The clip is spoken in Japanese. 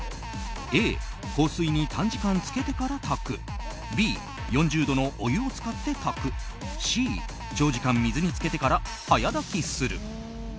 Ａ、硬水に短時間つけてから炊くＢ、４０度のお湯を使って炊くＣ、長時間水につけてから早炊きする。